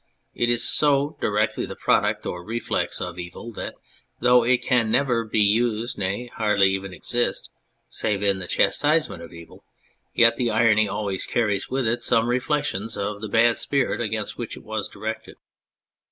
It is so directly the product or reflex of evil that, though it can never be used, nay, can hardly exist, save in the chastisement of evil, yet irony always carries with it some reflections of the bad spirit against which it was directed.